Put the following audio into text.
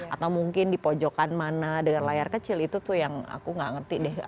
atau mungkin di pojokan mana dengan layar kecil itu tuh yang aku nggak ngerti deh